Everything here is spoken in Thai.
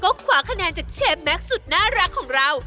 ก็ขวาคะแนนจากเชฟแม็กซ์สุดน่ารักของเรา